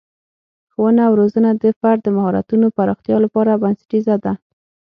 ښوونه او روزنه د فرد د مهارتونو پراختیا لپاره بنسټیزه ده.